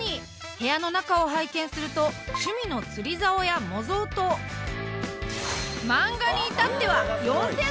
部屋の中を拝見すると趣味の釣りざおや模造刀漫画に至っては４，０００冊以上も！